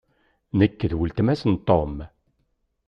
Nekk d weltma-s n Tom.